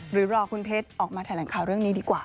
หรือรอคุณเพชรออกมาแถลงข่าวเรื่องนี้ดีกว่า